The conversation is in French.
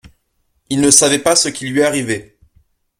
Il ne savait pas ce qui lui arrivait.